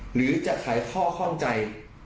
หรือจะขายข้อข้องใจ